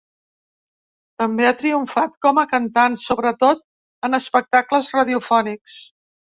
També ha triomfat com a cantant, sobretot en espectacles radiofònics.